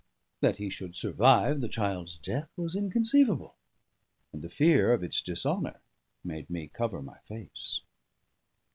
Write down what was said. That he should survive the child's death was inconceivable; and the fear of its dishonour made me cover my face.